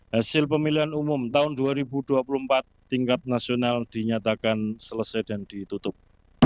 hasil pemilihan umum tahun dua ribu dua puluh empat tingkat nasional dinyatakan selesai dan ditutup